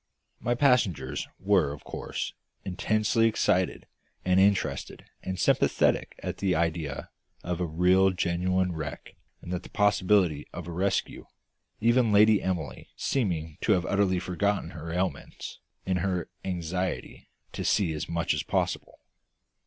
My passengers were of course intensely excited and interested and sympathetic at the idea of a real genuine wreck and the possibility of a rescue, even Lady Emily seeming to have utterly forgotten her ailments in her anxiety to see as much as possible.